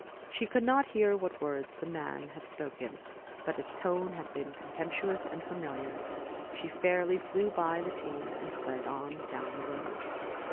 She could not hear what words the man had spoken, but his tone had been contemptuous and familiar. She fairly flew by the team, and fled on down the road.